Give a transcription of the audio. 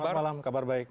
selamat malam kabar baik